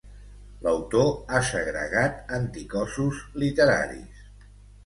L'autor ha segregat anticossos literaris